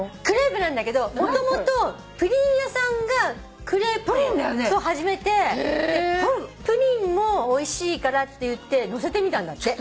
クレープなんだけどもともとプリン屋さんがクレープを始めてプリンもおいしいからっていってのせてみたんだって。